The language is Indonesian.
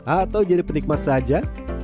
atau jadi penikmat saja